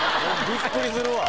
びっくりするわ。